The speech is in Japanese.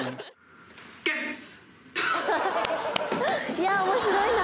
いや面白いな。